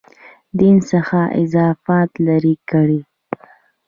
دین څخه اضافات لرې کړي.